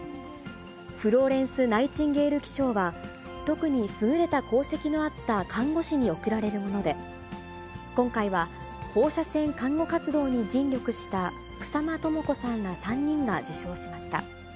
フローレンス・ナイチンゲール記章は、特に優れた功績のあった看護師に贈られるもので、今回は放射線看護活動に尽力した、草間朋子さんら３人が受章しました。